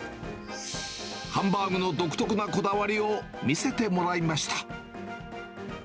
ハンバーグの独特なこだわりを見せてもらいました。